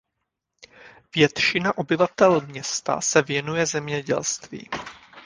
Většina obyvatel města se věnuje zemědělství.